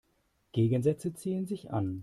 Gegensätze ziehen sich an.